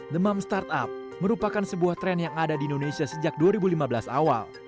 demam startup merupakan sebuah tren yang ada di indonesia sejak dua ribu lima belas awal